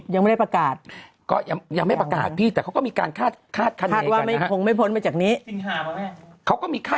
สรุปยังไม่ได้ประกาศเรออกนะฮะ